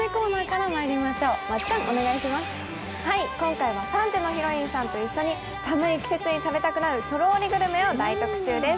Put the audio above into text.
今回は３時のヒロインと一緒に寒い季節に食べたくなるとろりグルメを大特集です。